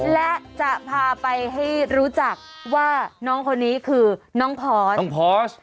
และจะพาไปให้รู้จักว่าน้องคนนี้คือน้องพอส